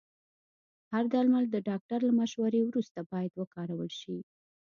هر درمل د ډاکټر له مشورې وروسته باید وکارول شي.